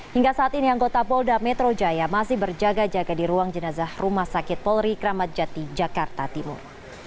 hingga saat ini anggota polda metro jaya masih berjaga jaga di ruang jenazah rumah sakit polri kramat jati jakarta timur